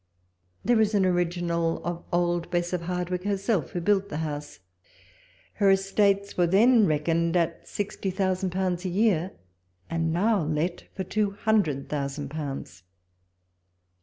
There is an original of old Bess of Hardwicke herself, who built the house. Her estates were then reckoned at sixty thousand pounds a year, and now let for two hundred thousand pounds.